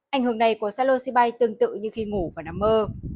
ảnh hưởng này của psilocybe tương tự như khi ngủ và nằm mơ